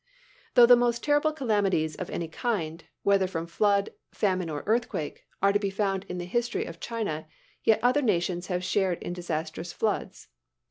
Though the most terrible calamities of any kind whether from flood, famine, or earthquake are to be found in the history of China, yet other nations have shared in disastrous floods.